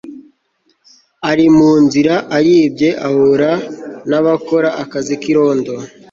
Ari munzira ayibye ahura na bakora akazi kirondo